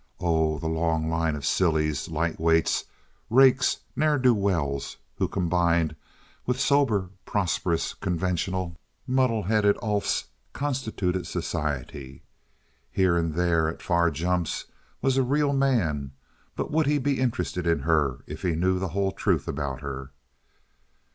Oh, the long line of sillies, light weights, rakes, ne'er do wells, who, combined with sober, prosperous, conventional, muddle headed oofs, constituted society. Here and there, at far jumps, was a real man, but would he be interested in her if he knew the whole truth about her?